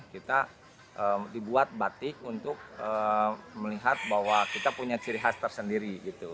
kita dibuat batik untuk melihat bahwa kita punya ciri khas tersendiri gitu